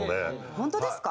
本当ですか？